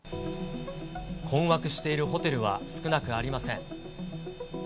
困惑しているホテルは少なくありません。